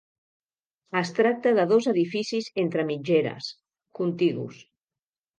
Es tracta de dos edificis entre mitgeres, contigus.